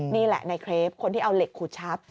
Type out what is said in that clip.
นี่แหละในเครปคนที่เอาเหล็กขูดชับ